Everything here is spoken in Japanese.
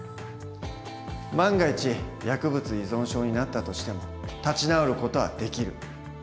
万が一薬物依存症になったとしても立ち直る事はできる。